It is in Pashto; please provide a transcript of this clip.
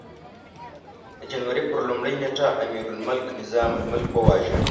د جنوري پر لومړۍ نېټه امیرالملک نظام الملک وواژه.